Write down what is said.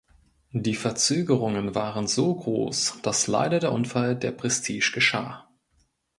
Die Verzögerungen waren so groß, dass leider der Unfall der Prestige geschah.